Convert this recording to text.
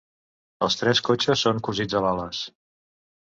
Els tres cotxes són cosits a bales.